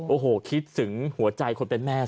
โอ้โหคิดถึงหัวใจคนเป็นแม่